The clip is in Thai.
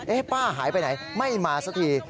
ป้าหายไปไหนไม่มาสักที